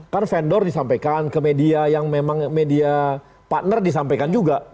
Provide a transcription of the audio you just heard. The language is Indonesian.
kan vendor disampaikan ke media yang memang media partner disampaikan juga